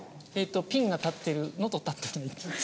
ピンが立ってるのと立ってない。